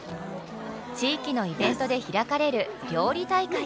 地域のイベントで開かれる料理大会。